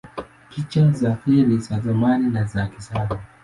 Picha za feri za zamani na za kisasa